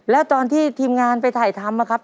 แล้วตอนที่ทีมงานไปถ่ายทำนะครับ